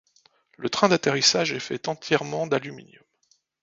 Le train d'atterrissage est fait entièrement d'aluminium.